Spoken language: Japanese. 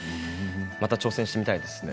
また挑戦してみたいですね